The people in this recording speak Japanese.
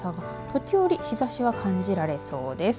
時折日ざしは感じられそうです。